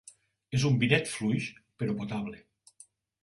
És un vinet fluix, però potable.